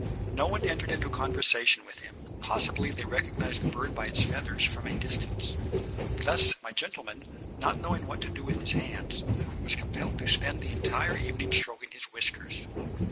No one entered into conversation with him. Possibly they recognised the bird by its feathers from a distance. Thus, my gentleman, not knowing what to do with his hands, was compelled to spend the evening stroking his whiskers.